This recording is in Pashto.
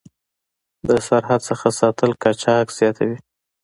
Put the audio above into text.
د سرحد نه ساتل قاچاق زیاتوي.